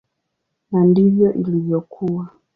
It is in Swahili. Na ndivyo ilivyokuwa.